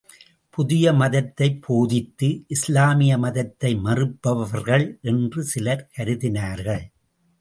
புதிய மதத்தைப் போதித்து, இஸ்லாமிய மதத்தை மறுப்பவர்கள் என்று சிலர் கருதினார்கள்.